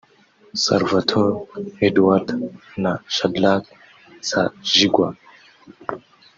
Salavatory Edwarda na Shadrack Nsajigwa